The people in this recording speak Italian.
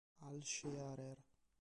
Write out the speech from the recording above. Al Shearer